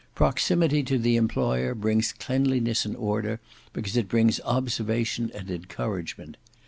Proximity to the employer brings cleanliness and order, because it brings observation and encouragement.